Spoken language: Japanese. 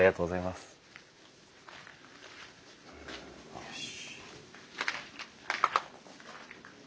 よし。